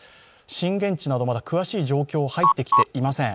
震源地など、まだ詳しい状況は入ってきていません。